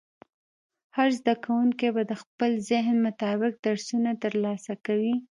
هر زده کوونکی به د خپل ذهن مطابق درسونه ترلاسه کوي.